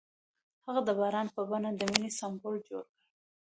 هغه د باران په بڼه د مینې سمبول جوړ کړ.